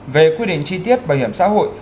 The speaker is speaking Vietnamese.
về quy định chi tiết bảo hiểm xã hội